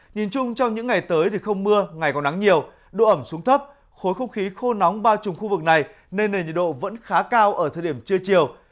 nhìn chung trong những ngày tới thì không mưa ngày còn nắng nhiều độ ẩm xuống thấp khối không khí khô nóng bao trùm khu vực này nên nền nhiệt độ vẫn khá cao ở thời điểm trưa chiều